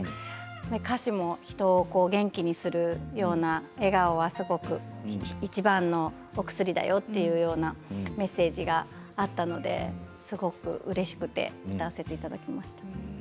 歌詞も人を元気にするような笑顔はすごくいちばんのお薬だよっていうようなメッセージがあったのですごくうれしくて歌わせていただきました。